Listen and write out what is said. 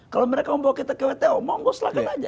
kalau mereka membawa kita ke wto monggo silahkan aja